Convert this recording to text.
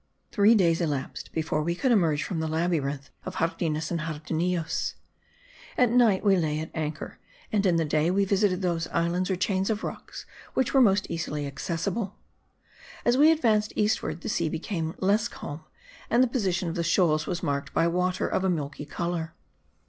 Three days elapsed before we could emerge from the labyrinth of Jardines and Jardinillos. At night we lay at anchor; and in the day we visited those islands or chains of rocks which were most easily accessible. As we advanced eastward the sea became less calm and the position of the shoals was marked by water of a milky colour.